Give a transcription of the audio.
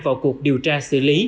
vào cuộc điều tra xử lý